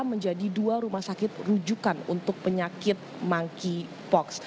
menjadi dua rumah sakit rujukan untuk penyakit monkeypox